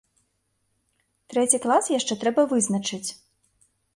Трэці клас яшчэ трэба вызначыць.